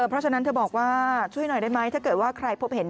เพราะฉะนั้นเธอบอกว่าช่วยหน่อยได้ไหมถ้าเกิดว่าใครพบเห็น